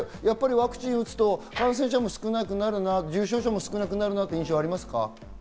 ワクチンを打つと感染者が少なくなるな、重症者も少なくなるなって印象はありますか？